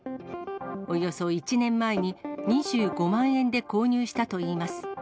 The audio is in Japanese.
およそ１年前に２５万円で購入したといいます。